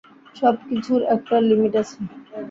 সবকিছুর একটা লিমিট আছে।